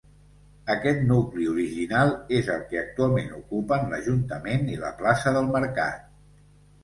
Aquest nucli original és el que actualment ocupen l'ajuntament i la plaça del mercat.